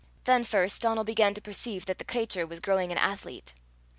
Then first Donal began to perceive that the cratur was growing an athlete.